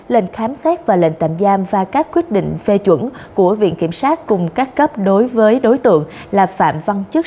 lệnh khám xét và lệnh tạm giam và các quyết định phê chuẩn của viện kiểm sát cùng các cấp đối với đối tượng là phạm văn chức